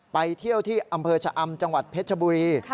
ไปเที่ยวที่อำเภอชะอำจังหวัดเพชรบุรี